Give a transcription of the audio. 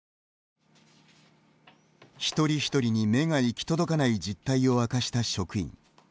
一人一人に目が行き届かない実態を明かした職員。